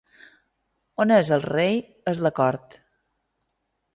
On és el rei és la cort.